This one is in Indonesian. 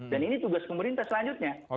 dan ini tugas pemerintah selanjutnya